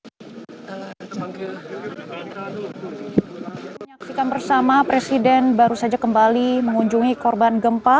menyaksikan bersama presiden baru saja kembali mengunjungi korban gempa